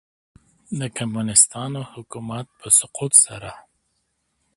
د کمونیسټانو حکومت په سقوط سره.